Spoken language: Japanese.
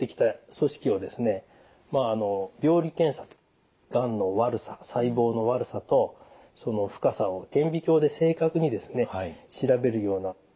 病理検査がんの悪さ細胞の悪さとその深さを顕微鏡で正確に調べるような検査をします。